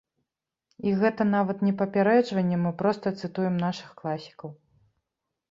І гэта нават не папярэджванне, мы проста цытуем нашых класікаў.